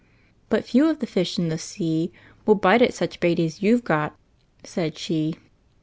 "But few of the fish In the sea Will bite at such bait as you've got," Said she.